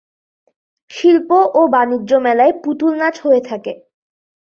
শিল্প ও বাণিজ্য মেলায় পুতুল নাচ হয়ে থাকে।